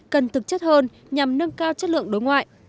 cần thực chất hơn nhằm nâng cao chất lượng đối ngoại